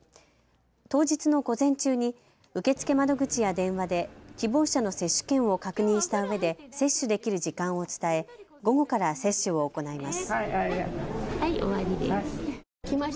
当日の午前中に受け付け窓口や電話で希望者の接種券を確認したうえで接種できる時間を伝え午後から接種を行います。